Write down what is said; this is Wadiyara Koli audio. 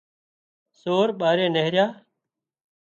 سور ٻاري نيهريا